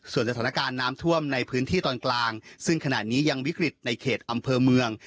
ส่วนสถานการณ์น้ำท่วมในพื้นที่ตอนกลางซึ่งขณะนี้ยังวิกฤตในเขตอำเภอเมือง